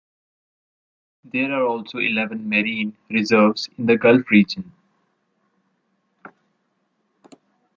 There are also eleven marine reserves in the gulf region.